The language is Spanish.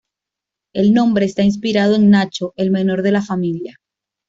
El nombre esta inspirado en "Nacho," el menor de la familia.